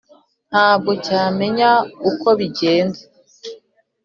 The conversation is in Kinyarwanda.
ntabwo cyamenya uko bigenda.